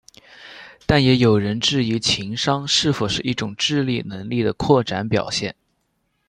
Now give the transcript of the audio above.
但也有人质疑情商是否是一种智力能力的扩展表现。